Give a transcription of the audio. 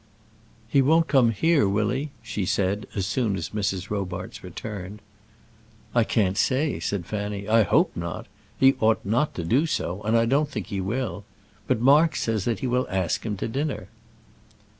"He won't come here, will he?" she said, as soon as Mrs. Robarts returned. "I can't say," said Fanny. "I hope not. He ought not to do so, and I don't think he will. But Mark says that he will ask him to dinner."